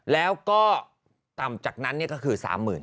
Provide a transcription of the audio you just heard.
แล้วก็ต่ำจากนั้นก็คือ๓๐๐๐